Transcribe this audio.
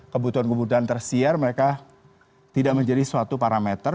kebutuhan kebutuhan tersiar mereka tidak menjadi suatu parameter